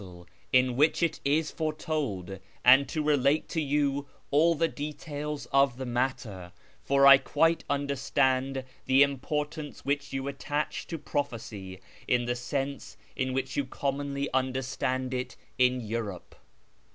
3i8 A YEAR AMONGST THE PERSIANS which it is foretokl, and to relate to you all tlic details of the inattor, for I quite understand the importance which you attach to prophecy in the sense in which you commonly understand it in Europe."